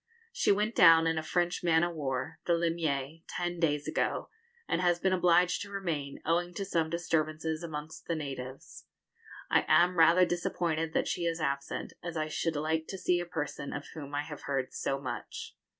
She went down in a French man of war, the 'Limier,' ten days ago, and has been obliged to remain, owing to some disturbances amongst the natives. I am rather disappointed that she is absent, as I should like to see a person of whom I have heard so much.